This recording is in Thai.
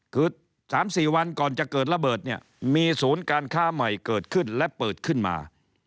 คือ๓๔วันก่อนจะเกิดระเบิดเนี่ยมีศูนย์การค้าใหม่เกิดขึ้นและเปิดขึ้นมา